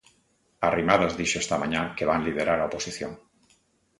Arrimadas dixo esta mañá que van liderar a oposición.